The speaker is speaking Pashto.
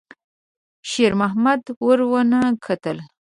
شېرمحمد ور ونه کتل.